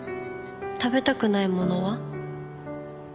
食べたくないものは？